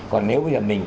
còn nếu bây giờ mình